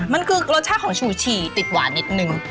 มันคือรสชาติของฉู่ฉี่ติดหวานนิดนึง